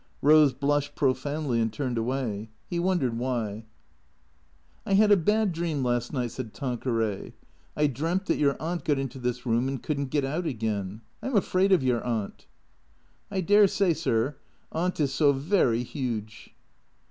'' Eose blushed profoundly and turned away. He wondered why. THECREATOES 31 " I had a bad dream last night," said Tanqueray. " I dreamt that your aunt got into this room and could n't get out again. I 'm afraid of your aunt." " I dare say, sir. Aunt is so very 'uge."